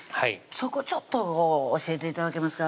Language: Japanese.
そこちょっと教えて頂けますか？